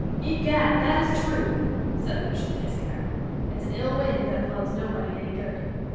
"Egad! that is true!" said Lucian, kissing her. "It's an ill wind that blows nobody any good."